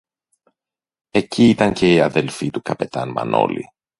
Εκεί ήταν και η αδελφή του καπετάν-Μανόλη